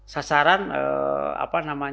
sasaran kompetensi jabatan